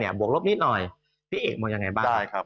พี่เอกภัณฑ์จะแม่งยังยังยังยังอย่างไรบ้าง